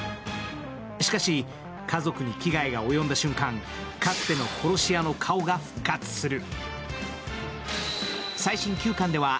しかし、家族に危害が及んだ瞬間、かつての殺し屋の顔が復活する。